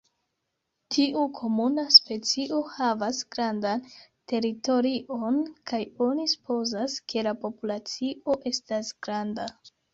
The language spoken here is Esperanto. Tiu komuna specio havas grandan teritorion kaj oni supozas, ke la populacio estas granda.